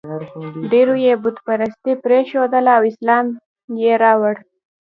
ډېرو یې بت پرستي پرېښودله او اسلام یې راوړ.